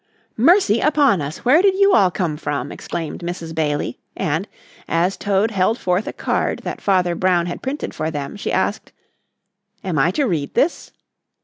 "Mercy upon us, where did you all come from?" exclaimed Mrs. Bailey, and, as Toad held forth a card that Father Brown had printed for them, she asked: "Am I to read this?"